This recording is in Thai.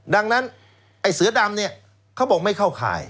ดังนั้นไอ้เสือดำเนี่ยเขาบอกไม่เข้าข่าย